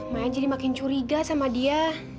main jadi makin curiga sama dia